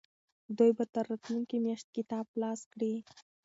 دوی به تر راتلونکې میاشتې کتاب خلاص کړي.